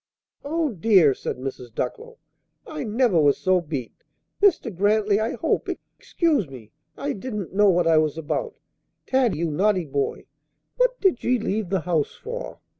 "Oh, dear!" said Mrs. Ducklow, "I never was so beat! Mr. Grantly, I hope excuse me I didn't know what I was about! Taddy, you notty boy, what did you leave the house for?